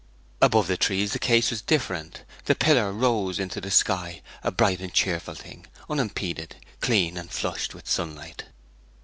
Above the trees the case was different: the pillar rose into the sky a bright and cheerful thing, unimpeded, clean, and flushed with the sunlight.